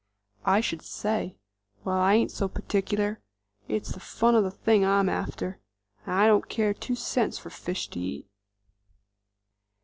"I should say? Well, I ain't so particular; it's the fun of the thing I'm after. I don't care two cents for fish to eat."